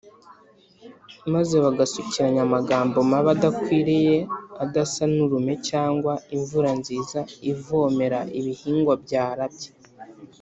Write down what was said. maze bagasukiranya amagambo mabi adakwiriye, adasa n’urume cyangwa imvura nziza ivomera ibihingwa byarabye